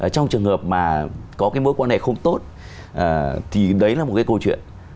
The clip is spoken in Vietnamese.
trong trường hợp mà có cái mối quan hệ không tốt thì đấy là một cái câu chuyện